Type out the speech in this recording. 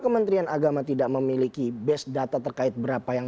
mereka sudah memiliki data terkait berapa yang